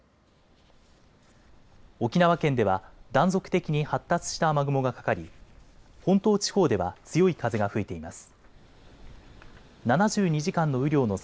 沖縄県では断続的に発達した雨雲がかかり本島地方では強い風が吹いています。